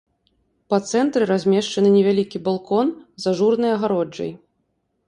Па цэнтры размешчаны невялікі балкон з ажурнай агароджай.